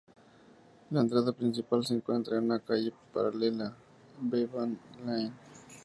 La entrada principal se encuentra en una calle paralela, Bevan´s Lane.